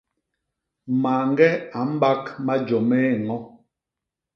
Mañge a mbak majô mé ñño.